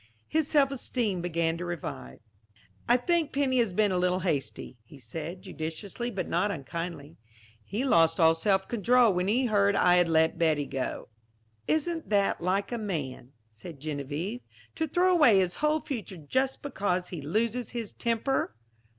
His self esteem began to revive. "I think Penny has been a little hasty," he said, judicially but not unkindly. "He lost all self control when he heard I had let Betty go." "Isn't that like a man," said Geneviève, "to throw away his whole future just because he loses his temper?"